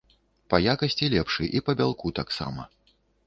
Па якасці лепшы і па бялку таксама.